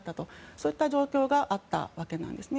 そういった状況があったわけなんですね。